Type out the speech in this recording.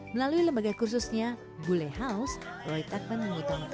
melalui lembaga kursusnya bule house roy tuckman mengutamakan para pelajar